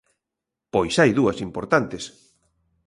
Pois hai dúas importantes.